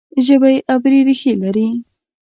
ژبه یې عبري ریښې لري.